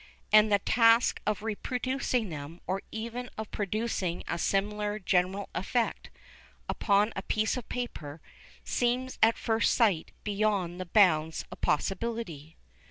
And the task of reproducing them, or even of producing a similar general effect, upon a piece of paper seems at first sight beyond the bounds of possibility.